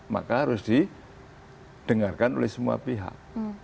maka harus didengarkan oleh semua pihak